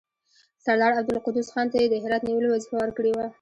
سردار عبدالقدوس خان ته یې د هرات نیولو وظیفه ورکړې وه.